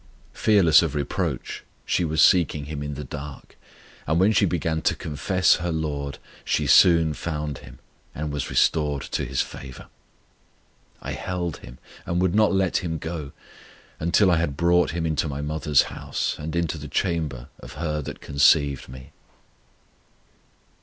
Fearless of reproach, she was seeking Him in the dark; and when she began to confess her LORD, she soon found Him and was restored to His favour: I held Him, and would not let Him go, Until I had brought Him into my mother's house, And into the chamber of her that conceived me.